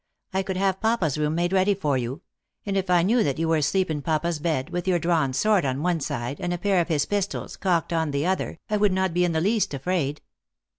I could have Papa s room made ready for you ; and if I knew that you were asleep in Papa s bed, with your drawn sword on one side, and a pair of his pistols, cocked, on the other, I would not be in the least afraid."